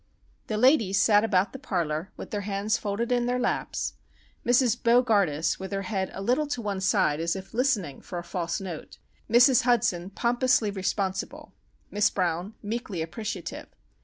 The ladies sat about the parlour, their hands folded in their laps, Mrs. Bo gardus with her head a little to one side as if listening for a false note, Mrs. Hudson pompously responsible, Miss Brown meekly appreciative.